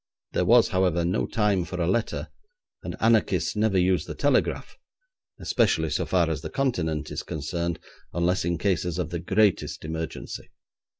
There was, however, no time for a letter, and anarchists never use the telegraph, especially so far as the Continent is concerned, unless in cases of the greatest emergency.